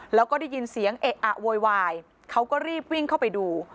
แล้วก็ได้ยินเสียงเอะอะโวยวายเขาก็รีบวิ่งเข้าไปดู